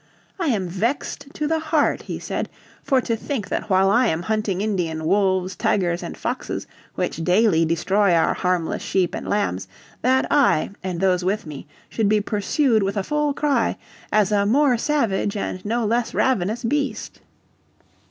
"I am vexed to the heart," he said, "for to think that while I am hunting Indian wolves, tigers, and foxes which daily destroy our harmless sheep and lambs, that I, and those with me, should be pursued with a full cry, as a more savage and no less ravenous beast."